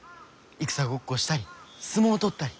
戦ごっこしたり相撲取ったり。